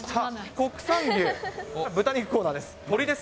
国産牛、豚肉コーナーです。